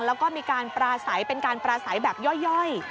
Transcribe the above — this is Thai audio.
แล้วก็มีการปราศัยเป็นการปราศัยแบบย่อย